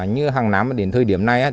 như hàng năm đến thời điểm này